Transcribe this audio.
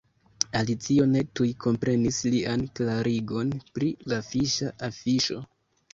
Alicio ne tuj komprenis lian klarigon pri la fiŝa afiŝo.